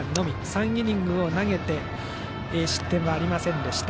３イニングを投げて失点はありませんでした